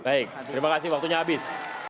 baik terima kasih waktunya habis